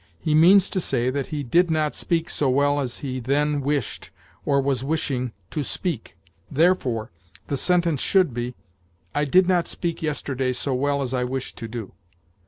He means to say that he did not speak so well as he then wished, or was wishing, to speak. Therefore, the sentence should be, 'I did not speak yesterday so well as I wished to do.'